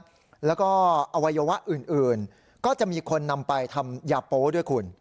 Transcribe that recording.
แล้วก็อวัยวะอื่นก็จะมีคนนำไปทำยาโป๊ด้วยคุณ